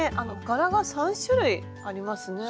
柄が３種類ありますね。